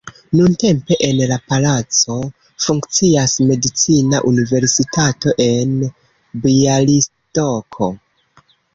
Nuntempe en la palaco funkcias Medicina Universitato en Bjalistoko.